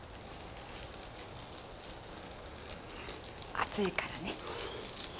熱いからね。